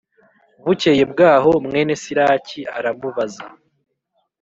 Bukeye bwaho mwene siraki aramubaza